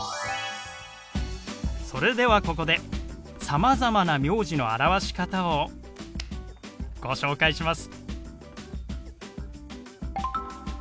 それではここでさまざまな名字の表し方をご紹介します。